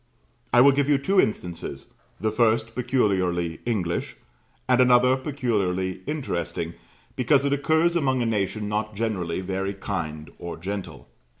I will give you two instances, the first peculiarly English, and another peculiarly interesting because it occurs among a nation not generally very kind or gentle.